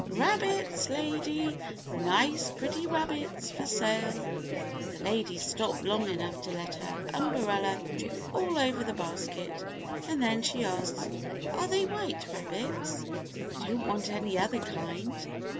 "Rabbits, lady! Nice, pretty rabbits for sale!" The lady stopped long enough to let her umbrella drip all over the basket, and then she asked: "Are they white rabbits? I don't want any other kind."